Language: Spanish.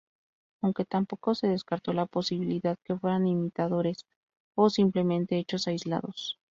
Aunque tampoco se descartó la posibilidad que fueran imitadores o, simplemente, hechos aislados.